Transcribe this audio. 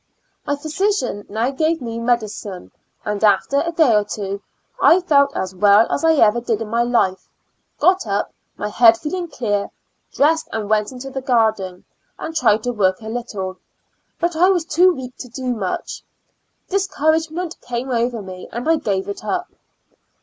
My physician now gave me medicine, and after a day or two I felt as well as I ever did in my life; got up, my head feeling clear ; dressed and went into the garden, and tried to work a little, but I was too weak to do much ; discouragement came over me and I gave it up.